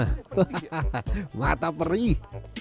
hahaha mata perih